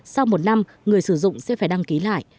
sau một năm người sử dụng sẽ phải đăng ký lại